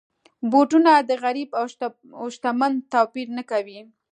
بوټونه د غریب او شتمن توپیر نه کوي.